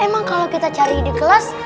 emang kalau kita cari di kelas